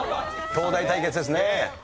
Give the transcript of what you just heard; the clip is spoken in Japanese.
東大対決ですね。